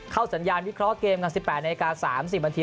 สัญญาณวิเคราะห์เกมกัน๑๘นาที๓๐นาที